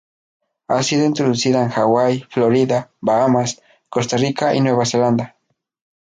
Ha sido introducida en Hawaii, Florida, Bahamas, Costa Rica y Nueva Zelanda.